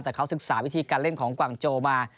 แต่เขาศึกษาวิธีการเล่นของกวางโจมา